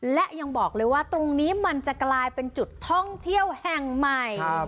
และยังบอกเลยว่าตรงนี้มันจะกลายเป็นจุดท่องเที่ยวแห่งใหม่